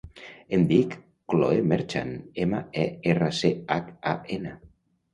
Em dic Khloe Merchan: ema, e, erra, ce, hac, a, ena.